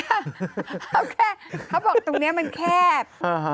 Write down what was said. เอาแค่เขาบอกตรงนี้มันแคบ